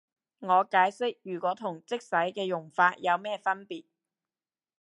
我解釋如果同即使嘅用法有咩分別